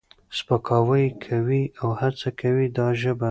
سپکاوی یې کوي او هڅه کوي دا ژبه